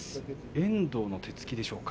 遠藤の手つきでしょうか。